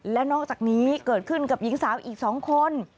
และนอกจากนี้เกิดขึ้นกับหญิงสาวอีก๒คน